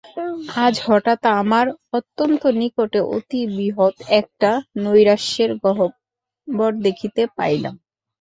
আজ হঠাৎ আমার অত্যন্ত নিকটে অতি বৃহৎ একটা নৈরাশ্যের গহ্বর দেখিতে পাইলাম।